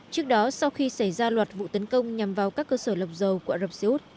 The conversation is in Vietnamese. trước đó sau khi xảy ra loạt vụ tấn công nhằm vào các cơ sở lọc dầu của ả rập xê út